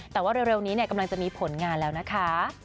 แต่ว่าเร็วนี้กำลังจะมีผลงานแล้วนะคะ